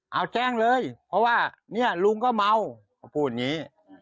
เอาแจ้งเลยเพราะว่าเนี่ยลุงก็เมาเขาพูดอย่างนี้